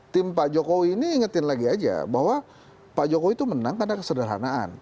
tim pak jokowi ini ingetin lagi aja bahwa pak jokowi itu menang karena kesederhanaan